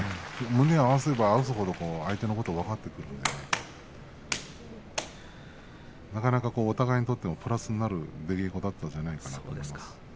胸を合わせれば合わせるほど相手のことが分かってくるのでなかなかお互いにとってもプラスになる出稽古だったんじゃないかと思います。